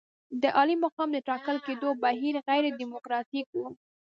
د عالي مقام د ټاکل کېدو بهیر غیر ډیموکراتیک وو.